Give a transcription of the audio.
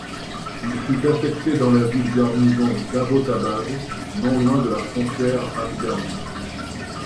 Il fut affecté dans la ville-garnison d'Abbottabad, non loin de la frontière afghane.